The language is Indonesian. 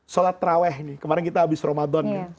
sholat teraweh ini kemarin kita habis ramadan